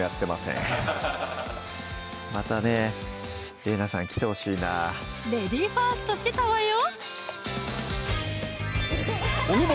玲奈さん来てほしいなレディーファーストしてたわよ！